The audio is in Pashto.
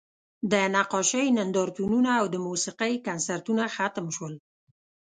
د نقاشۍ نندارتونونه او د موسیقۍ کنسرتونه ختم شول